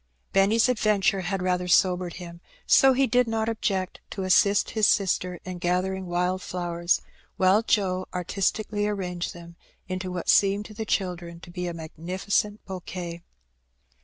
Benny^s adventure had rather sobered him, so he did not object to assist his sister in gathering wild flowers, while Joe artistically arranged them into what seemed to the children to be a magnificent bouquet.